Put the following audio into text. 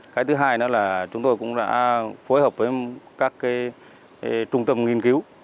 cái thứ hai nữa là chúng tôi cũng đã phối hợp với các trung tâm nghiên cứu